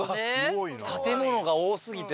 建物が多過ぎて。